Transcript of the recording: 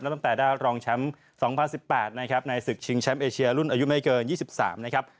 ตั้งแต่ได้รองแชมป์๒๐๑๘นะครับในศึกชิงแชมป์เอเชียรุ่นอายุไม่เกิน๒๓นะครับ